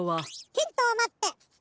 ヒントはまって！